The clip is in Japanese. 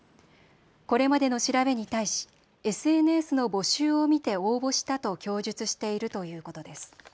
これまでの調べに対しＳＮＳの募集を見て応募したと供述しているということです。